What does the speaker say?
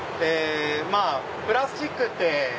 まぁプラスチックって。